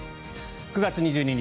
９月２２日